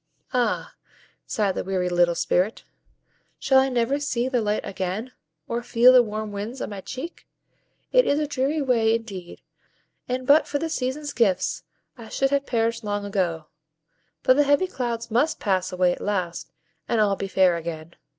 "Ah!" sighed the weary little Spirit, "shall I never see the light again, or feel the warm winds on my cheek? It is a dreary way indeed, and but for the Seasons' gifts I should have perished long ago; but the heavy clouds MUST pass away at last, and all be fair again.